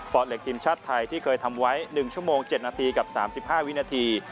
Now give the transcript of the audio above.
เหล็กทีมชาติไทยที่เคยทำไว้๑ชั่วโมง๗นาทีกับ๓๕วินาที